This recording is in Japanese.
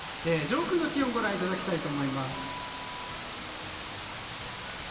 上空の気温をご覧いただきたいと思います。